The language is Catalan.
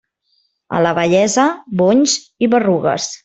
A la vellesa, bonys i berrugues.